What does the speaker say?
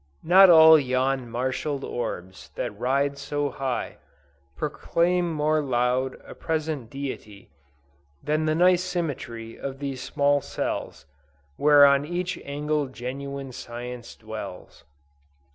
Not all yon marshall'd orbs, that ride so high, Proclaim more loud a present Deity, Than the nice symmetry of these small cells, Where on each angle genuine science dwells."